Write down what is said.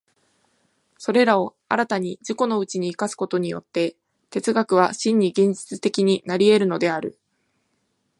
それらを新たに自己のうちに生かすことによって、哲学は真に現実的になり得るのである。